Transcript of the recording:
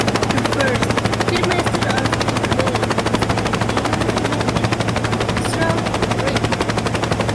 The first Headmaster of the College was the Englishman F. Stroud Read.